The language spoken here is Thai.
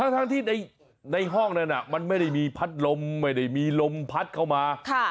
ทั้งที่ในห้องนั้นมันไม่ได้มีพัดลมไม่ได้มีลมพัดเข้ามา